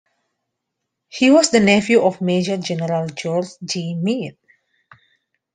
He was the nephew of Major General George G. Meade.